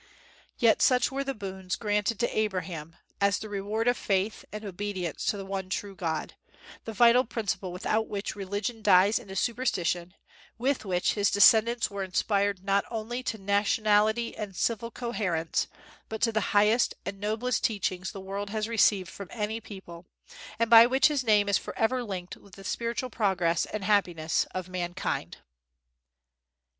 Yet such were the boons granted to Abraham, as the reward of faith and obedience to the One true God, the vital principle without which religion dies into superstition, with which his descendants were inspired not only to nationality and civil coherence, but to the highest and noblest teachings the world has received from any people, and by which his name is forever linked with the spiritual progress and happiness of mankind.